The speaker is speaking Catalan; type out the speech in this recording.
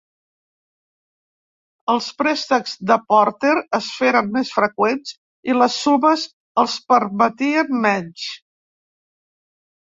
Els préstecs de Porter es feren més freqüents i les sumes els permetien menys.